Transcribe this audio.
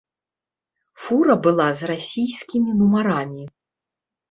Фура была з расійскімі нумарамі.